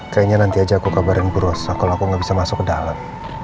kayaknya nanti aja aku kabarin ke ros kalau aku nggak bisa masuk ke dalam